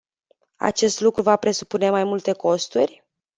Acest lucru va presupune mai multe costuri?